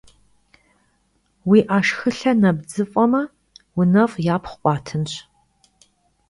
Vui 'eşşxılhe nebdzıf'eme, vunef' yapxhu khıuatınş.